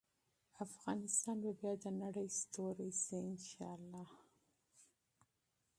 افغانستان به بیا د نړۍ ستوری شي.